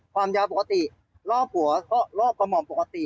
ความยาวปกติรอบหัวก็รอบกระหม่อมปกติ